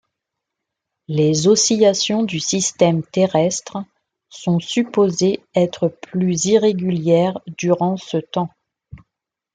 Les oscillations du système terrestre sont supposées être plus irrégulières durant ce temps.